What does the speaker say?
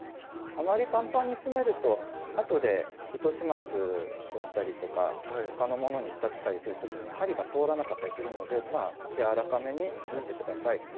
あまりパンパンに詰めるとあとで糸始末をしたりとか他のものに仕立てたりする時に針が通らなかったりするので柔らかめに詰めて下さい。